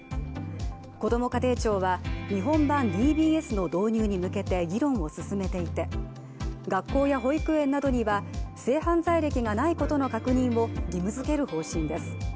こども家庭庁は日本版ＤＢＳの導入に向けて議論を進めていて、学校や保育園などには性犯罪歴がないことの確認を義務づける方針です。